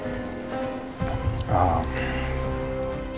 jadi ada apa